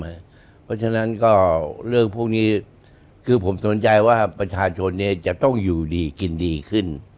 เพราะฉะนั้นก็เรื่องพวกนี้คือผมสนใจว่าประชาชนจะต้องอยู่ดีกินดีขึ้น